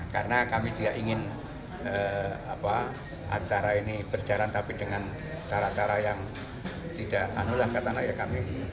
karena kami tidak ingin acara ini berjalan tapi dengan cara cara yang tidak anulah kata naya kami